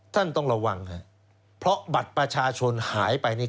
ต้องระวังครับเพราะบัตรประชาชนหายไปนี่